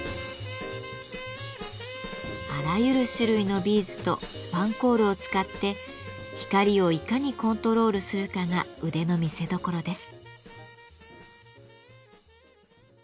あらゆる種類のビーズとスパンコールを使って光をいかにコントロールするかが腕の見せどころです。